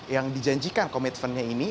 yang dijanjikan komitmennya ini